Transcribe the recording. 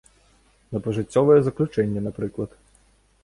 На пажыццёвае заключэнне, напрыклад.